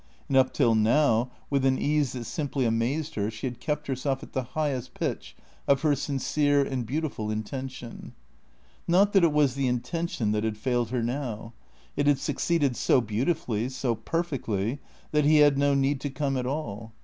And up till now, with an ease that simply amazed her, she had kept herself at the highest pitch of her sincere and beautiful intention. Not that it was the intention that had failed her now. It had succeeded so beautifully, so perfectly, that he had no need to come at all.